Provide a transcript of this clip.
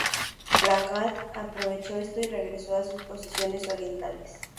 Bagrat aprovechó esto, y regresó a sus posesiones orientales.